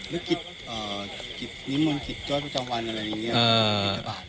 แล้วกิจนิมนต์กิจทุกวันอะไรอย่างนี้บินทะบาท